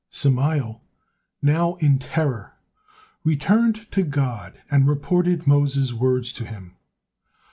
Samael now in terror returned to God and reported Moses' words to Him.